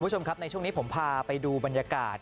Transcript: คุณผู้ชมครับในช่วงนี้ผมพาไปดูบรรยากาศ